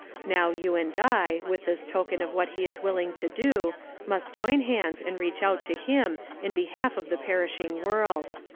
Now you and I, with this token of what he is willing to do, must join hands and reach out to Him in behalf of the perishing world.